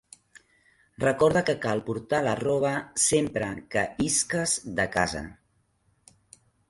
Recorda que cal portar la roba sempre que isques de casa.